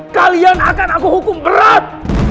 kalian akan aku hukum berat